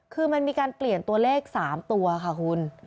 คือมันมีการเปลี่ยนตัวเลข๓ตัวค่ะคุณ